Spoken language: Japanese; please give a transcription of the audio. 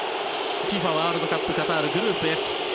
ワールドカップカタールグループＦ。